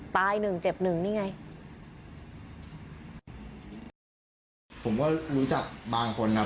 ตาย๑เจ็บ๑นี่ไง